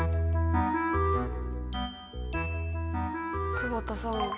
久保田さん。